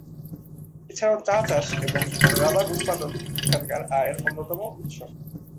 এছাড়াও চা চাষ এবং রাবার উৎপাদন এখানকার আয়ের অন্যতম উৎস।